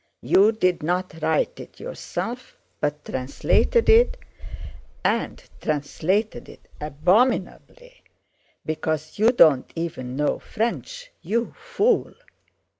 You did not write it yourself but translated it, and translated it abominably, because you don't even know French, you fool.